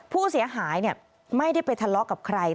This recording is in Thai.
ผู้เสียหายไม่ได้ไปทะเลาะกับใคร